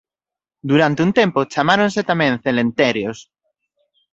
Durante un tempo chamáronse tamén celentéreos.